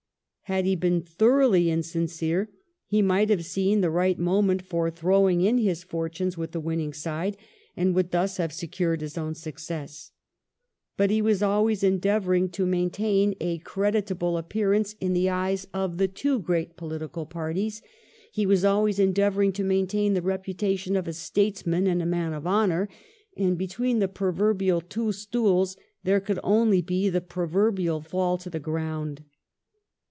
Had he been thoroughly insincere he might have seen the right moment for throwing in his fortunes with the winning side, and would thus have secured his own success. But he was always endeavouring to maintain a creditable appear 1714 ATTERBURT, 335 ance in the eyes of the two great political parties ; he was always endeavouring to maintain the repu tation of a statesman and a man of honour ; and between the proverbial two stools there could only be the proverbial fall to the ground.